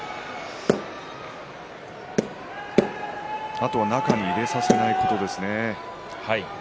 あとは中に入れさせないことですね。